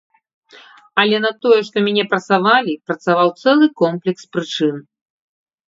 Але на тое, што мяне прасавалі, працаваў цэлы комплекс прычын.